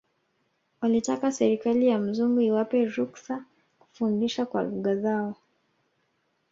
Walitaka serikali ya mzungu iwape ruksa kufundisha kwa lugha zao